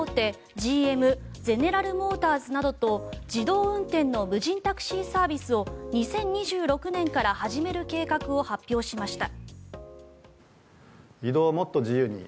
ＧＭ・ゼネラルモーターズなどと自動運転の無人タクシーサービスを２０２６年から始める計画を発表しました。